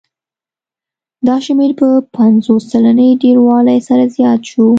دا شمېر په پنځوس سلنې ډېروالي سره زیات شو